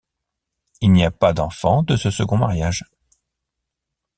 Il n'y a pas d'enfants de ce second mariage.